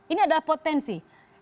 ini adalah potensi